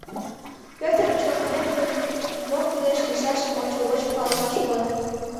Пӧртым чоҥынет гын, мо кӱлеш лийшашым ончылгоч палышаш улат.